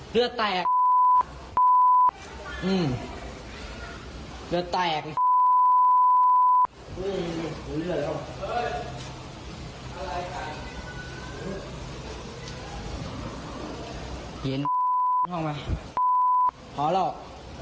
จบนะครับ